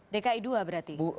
dki dua berarti